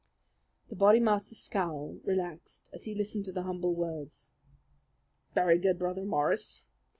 The Bodymaster's scowl relaxed as he listened to the humble words. "Very good, Brother Morris.